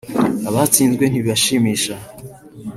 abatsinzwe ntibibashimisha